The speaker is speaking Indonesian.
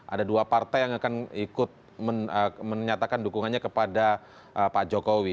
ada dua partai yang akan ikut menyatakan dukungannya kepada pak jokowi